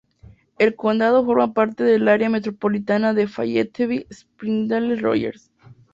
El condado forma parte del área metropolitana de Fayetteville–Springdale–Rogers.